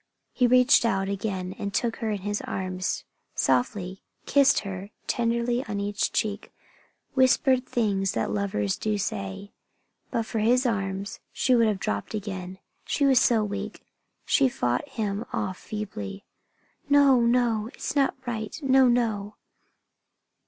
He reached out again and took her in his arms, softly, kissed her tenderly on each cheek, whispered things that lovers do say. But for his arms she would have dropped again, she was so weak. She fought him off feebly. "No! No! It is not right! No! No!"